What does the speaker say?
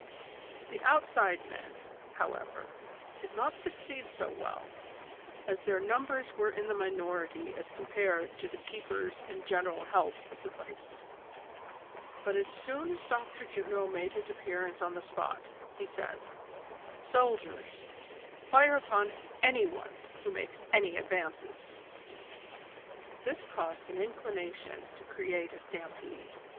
The outside men, however, did not succeed so well, as their numbei'S were in the minority as compared with the keepers and general help of the place ; but as soon as Dr. Juno made his appearance on the spot, he said :" Soldiers, fire upon any one who makes any advances !" This caused an inclination to create a stampede.